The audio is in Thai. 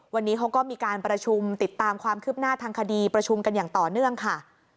วันนี้เขาก็มีการประชุมติดตามความคืบหน้าทางคดีประชุมกันอย่างต่อเนื่องค่ะ